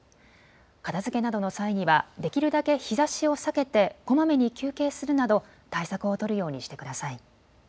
片づけなどの際にはできるだけ日ざしを避けてこまめに休憩するなど対策を取るようにしてください。